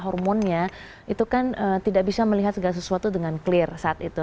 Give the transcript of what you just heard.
hormonnya itu kan tidak bisa melihat segala sesuatu dengan clear saat itu